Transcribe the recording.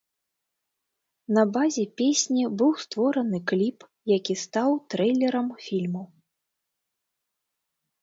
На базе песні быў створаны кліп, які стаў трэйлерам фільму.